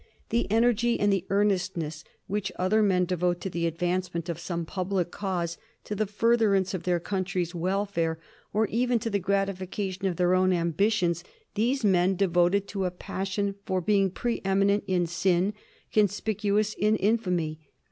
The energy and the earnestness which other men devote to the advancement of some public cause, to the furtherance of their country's welfare, or even to the gratification of their own ambitions, these men devoted to a passion for being pre eminent in sin, conspicuous in infamy.